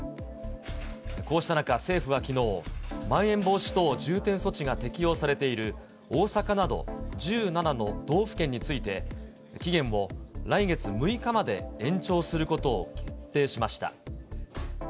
こうした中、政府はきのう、まん延防止等重点措置が適用されている大阪など、１７の道府県について、期限を来月６日まで延長することを決定しました。